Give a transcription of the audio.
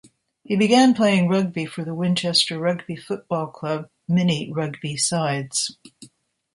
He began playing rugby for the Winchester rugby football club mini rugby sides.